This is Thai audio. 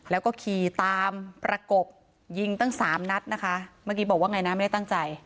แล้วก็ขี่ตามประกบยิงตั้งสามนัดนะคะเมื่อกี้บอกว่าไงนะไม่ได้ตั้งใจ